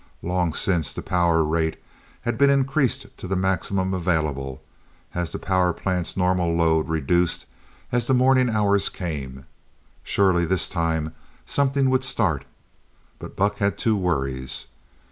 Long since the power rate had been increased to the maximum available, as the power plant's normal load reduced as the morning hours came. Surely, this time something would start, but Buck had two worries.